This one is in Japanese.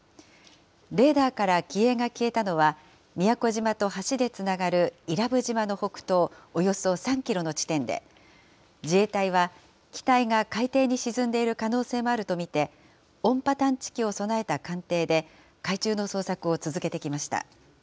レーダーから機影が消えたのは宮古島と橋でつながる伊良部島の北東およそ３キロの地点で、自衛隊は機体が海底に沈んでいる可能性もあると見て、音波探知機を備えた艦艇で海中の捜索を続けてきました。